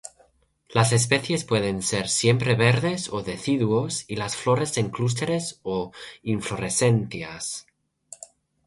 Las especies pueden ser siempreverdes o deciduos, y las flores en clústeres o inflorescencias.